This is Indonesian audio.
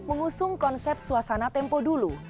mengusung konsep suasana tempo dulu